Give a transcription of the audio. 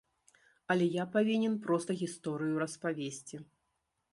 Але я павінен проста гісторыю распавесці.